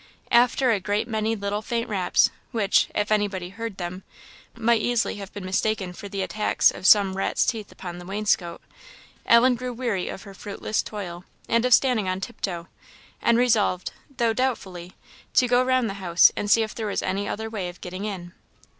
After a great many little faint raps, which, if anybody heard them, might easily have been mistaken for the attacks of some rat's teeth upon the wainscot, Ellen grew weary of her fruitless toil, and of standing on tiptoe, and resolved, though doubtfully, to go round the house and see if there was any other way of getting in.